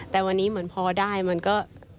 แต่วันนี้พอได้มันก็